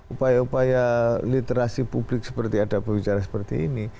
upaya upaya literasi publik seperti ada berbicara seperti ini